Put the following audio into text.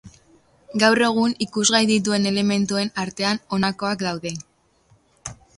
Gaur egun ikusgai dituen elementuen artean honakoak daude.